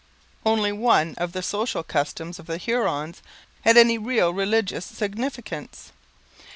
Only one of the social customs of the Hurons had any real religious significance.